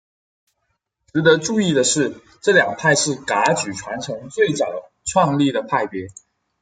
值得注意的是这两派是噶举传承最早创立的派别。